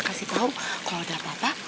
kasih tau kalau udah apa apa